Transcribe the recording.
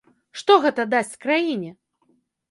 Што гэта дасць краіне?